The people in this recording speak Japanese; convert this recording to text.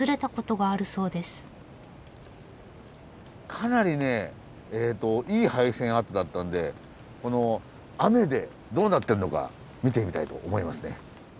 かなりねいい廃線跡だったんでこの雨でどうなってるのか見てみたいと思いますね。